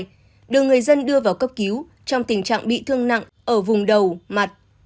bệnh viện hiễu nghị đồng nai đưa người dân đưa vào cấp cứu trong tình trạng bị thương nặng ở vùng đầu mặt